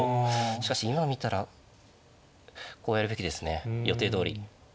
しかし今見たらこうやるべきですね予定どおり。